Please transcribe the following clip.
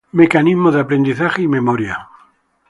Mecanismos del aprendizaje y la memoria.